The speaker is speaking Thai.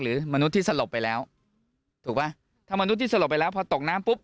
มนุษย์ที่สลบไปแล้วถูกป่ะถ้ามนุษย์สลบไปแล้วพอตกน้ำปุ๊บ